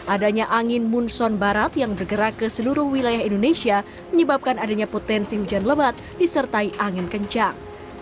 adanya angin munson barat yang bergerak ke seluruh wilayah indonesia menyebabkan adanya potensi hujan lebat disertai angin kencang